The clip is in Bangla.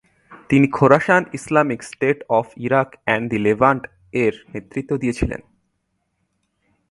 তিনি Khorasan Islamic State of Iraq and the Levant -এর নেতৃত্ব দিয়েছিলেন।